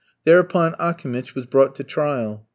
Thereupon Akimitch was brought to trial.